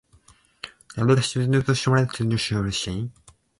jdmpjdmx